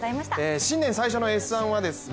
新年最初の「Ｓ☆１」はですね